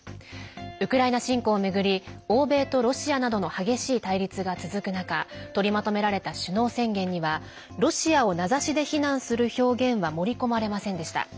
ウクライナ侵攻を巡り欧米とロシアなどの激しい対立が続く中取りまとめられた首脳宣言にはロシアを名指しで非難する表現は盛り込まれませんでした。